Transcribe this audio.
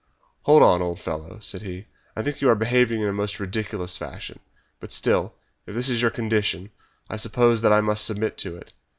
"Hold on, old fellow," said he; "I think you are behaving in a most ridiculous fashion; but still; if this is your condition, I suppose that I must submit to it.